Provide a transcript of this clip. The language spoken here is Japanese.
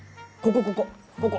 ここここ！